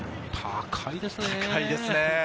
高いですね。